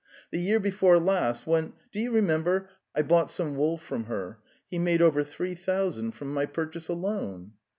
The year before last when, do you remember, I bought some wool from her, he made over three thousand from my purchase alone."